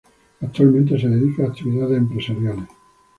Actualmente se dedica a actividades empresariales.